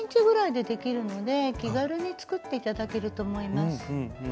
５０ｃｍぐらいでできるので気軽に作って頂けると思います。